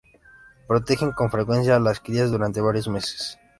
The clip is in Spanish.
Protegen con frecuencia a las crías durante varios meses.